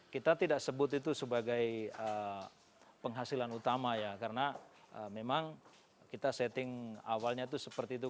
kita tidak sebut itu sebagai penghasilan utama ya karena memang kita setting awalnya itu seperti itu